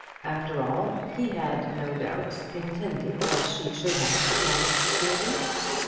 After all, he had, no doubt, intended that she should have the promised security.